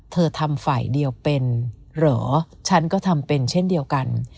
ทำฝ่ายเดียวเป็นเหรอฉันก็ทำเป็นเช่นเดียวกัน